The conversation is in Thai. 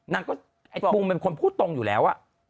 นางก็ทรวงพ่อกันความพูดตรงแล้ว